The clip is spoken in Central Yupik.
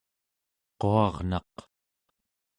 quarnaq